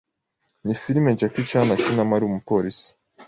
ni filime Jackie Chan akinamo ari umupolisi